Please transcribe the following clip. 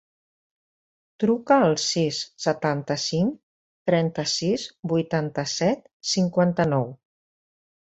Truca al sis, setanta-cinc, trenta-sis, vuitanta-set, cinquanta-nou.